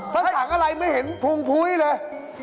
เพราะถังอะไรไม่เห็นพุงพุ้ยเลย